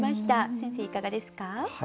先生いかがですか？